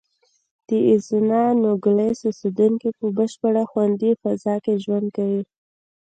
د اریزونا نوګالس اوسېدونکي په بشپړه خوندي فضا کې ژوند کوي.